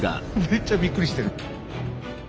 めっちゃびっくりしてる。